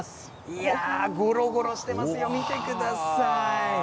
いやー、ごろごろしてますよ、見てください。